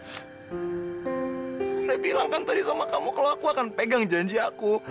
sudah bilang kan tadi sama kamu kalau aku akan pegang janji aku